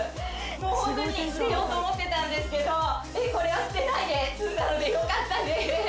もうホントに捨てようと思ってたんですけどこれは捨てないですんだのでよかったです